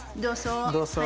どうぞ。